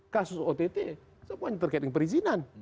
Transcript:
kasus ott semuanya terkait dengan perizinan